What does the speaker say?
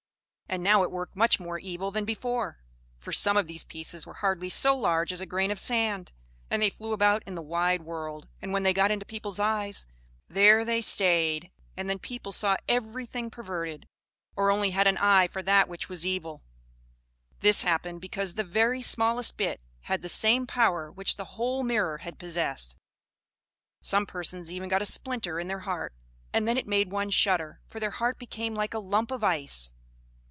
And now it worked much more evil than before; for some of these pieces were hardly so large as a grain of sand, and they flew about in the wide world, and when they got into people's eyes, there they stayed; and then people saw everything perverted, or only had an eye for that which was evil. This happened because the very smallest bit had the same power which the whole mirror had possessed. Some persons even got a splinter in their heart, and then it made one shudder, for their heart became like a lump of ice.